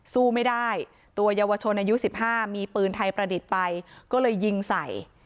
สู้ไม่ได้ตัวเยาวชนอายุ๑๕มีปืนไทยประดิษฐ์ไปก็เลยยิงใส่